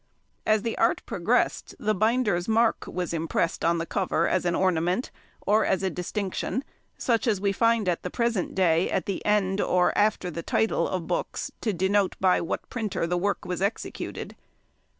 As the art progressed the binder's mark was impressed on the cover as an ornament, or as a distinction, such as we find at the present day at the end or after the title of books to denote by what printer the work was executed.